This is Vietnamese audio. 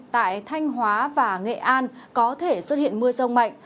tại thanh hóa và nghệ an có thể xuất hiện mưa rông mạnh